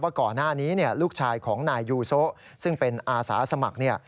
ก่อนหน้านี้ลูกชายของนายยูโซะซึ่งเป็นอาสาสมัคร